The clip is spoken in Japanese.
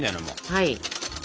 はい。